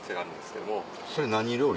それ何料理？